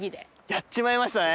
やっちまいましたね！